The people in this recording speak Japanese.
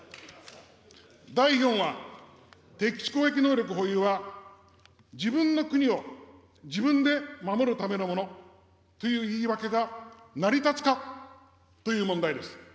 第４は、敵基地攻撃能力保有は自分の国を自分で守るためのものという言い訳が、成り立つかという問題です。